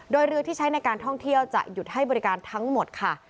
โดยเรือที่ใช้ในการท่องเที่ยวจะหยุดให้บริการทั้งหมดค่ะ